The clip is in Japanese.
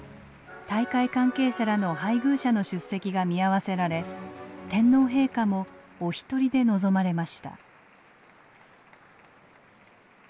大会関係者らの配偶者の出席が見合わせられ天皇陛下もお一人で臨まれました。